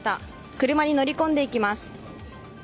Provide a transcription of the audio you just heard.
車に乗り込んでいきます。